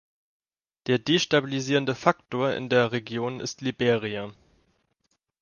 Der destabilisierende Faktor in der Region ist Liberia.